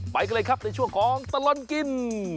ไปกันเลยครับในช่วงของตลอดกิน